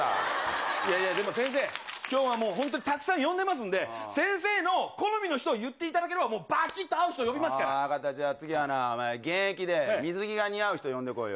いやいや、でも先生、きょうは本当にたくさん呼んでますんで、先生の好みの人を言っていただければ、もうばちっと会う人呼びま分かった、じゃあ次はな、現役で水着が似合う人呼んでこいよ。